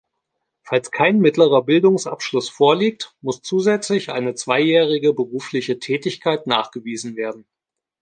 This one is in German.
Falls kein mittlerer Bildungsabschluss vorliegt, muss zusätzlich eine zweijährige berufliche Tätigkeit nachgewiesen werden.